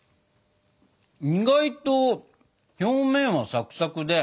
意外と表面はサクサクで。